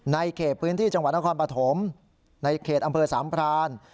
เขตพื้นที่จังหวัดนครปฐมในเขตอำเภอสามพราน